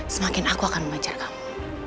semakin aku akan membaca kamu